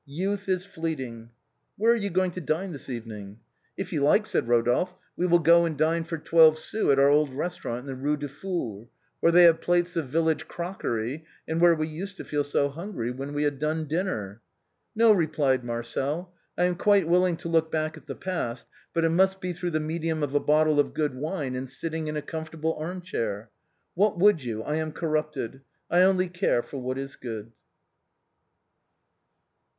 Youth is fleeting! Where are you going to dine this evening?" " If you like," said Rodolphe, " we will go and dine for twelve sous at our old restaurant in the Rue du Four, where they have plates of village crockery, and where we used to feel so hungry when we had done dinner." " No," replied Marcel ;" I am quite willing to look back at the past, but it must be through the medium of a bottle of good wine and sitting in a comfortable arm chair. What would you, I am corrupted. I only care for what is good!"